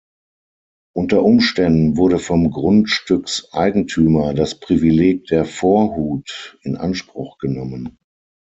Unter Umständen wurde vom Grundstückseigentümer das Privileg der "Vorhut" in Anspruch genommen.